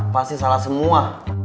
pasti salah semua